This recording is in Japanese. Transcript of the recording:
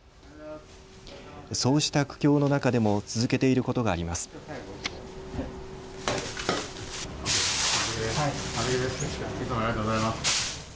そうした苦境の中でも続けていることがあります。